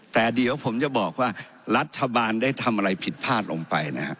แต่เดี๋ยวผมจะบอกว่ารัฐบาลได้ทำอะไรผิดพลาดลงไปนะฮะ